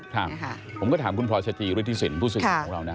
ครับผมก็ถามคุณพรชจีริฐิสินผู้สึกของเรานะ